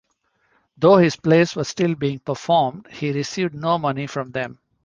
Though his plays were still being performed, he received no money from them.